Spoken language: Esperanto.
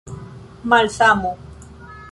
malsamo